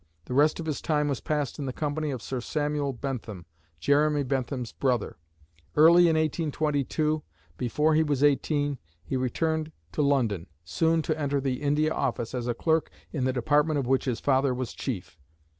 The rest of his time was passed in the company of Sir Samuel Bentham, Jeremy Bentham's brother. Early in 1822, before he was eighteen, he returned to London, soon to enter the India Office as a clerk in the department of which his father was chief.